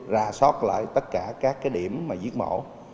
rà sót lại tất cả các điểm giết mổ